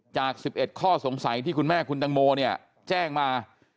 จาก๑๑ข้อสงสัยที่คุณแม่คุณตังโมเนี่ยแจ้งมา